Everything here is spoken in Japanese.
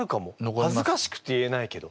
恥ずかしくて言えないけど。